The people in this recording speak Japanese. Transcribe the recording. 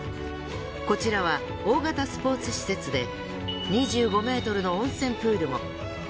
こちらは大型スポーツ施設で２５ｍの温泉プールも。